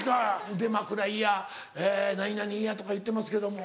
腕枕嫌何々嫌とか言ってますけども。